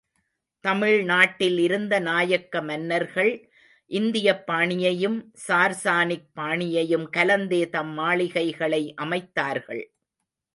தமிழ்நாட்டில் இருந்த நாயக்க மன்னர்கள், இந்தியப் பாணியையும் சார் சானிக் பாணியையும் கலந்தே தம் மாளிகைகளை அமைத்தார்கள்.